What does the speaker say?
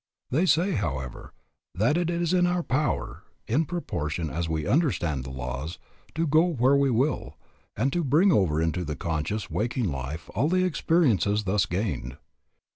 They say, however, that it is in our power, in proportion as we understand the laws, to go where we will, and to bring over into the conscious, waking life all the experiences thus gained.